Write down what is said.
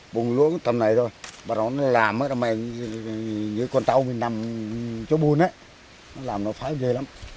bung luôn tầm này thôi bắt đầu nó làm như con tàu mình nằm chỗ buôn á nó làm nó phá về lắm